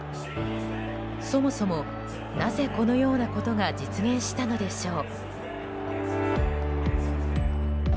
そもそも、なぜこのようなことが実現したのでしょう。